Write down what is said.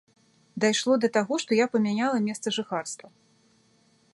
Дайшло да таго, што я памяняла месца жыхарства.